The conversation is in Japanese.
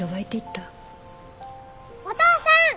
お父さん！